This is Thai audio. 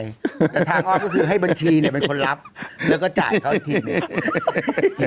แต่ทางออกก็คือให้บัญชีเป็นคนรับแล้วก็จ่ายเขาอีกที